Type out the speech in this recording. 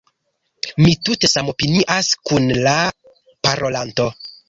Mi tute samopinias kun la parolanto.